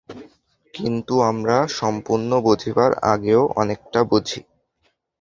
কিন্তু আমরা সম্পূর্ণ বুঝিবার আগেও অনেকটা বুঝি।